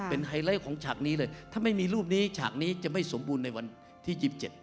เป็นไฮไลท์ของฉากนี้เลยถ้าไม่มีรูปนี้ฉากนี้จะไม่สมบูรณ์ในวันที่๒๗